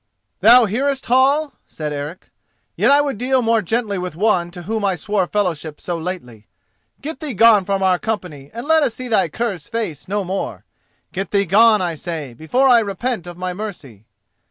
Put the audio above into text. _" "Thou hearest, Hall?" said Eric. "Yet I would deal more gently with one to whom I swore fellowship so lately. Get thee gone from our company, and let us see thy cur's face no more. Get thee gone, I say, before I repent of my mercy."